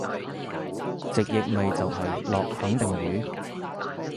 直譯咪就係落肯定雨？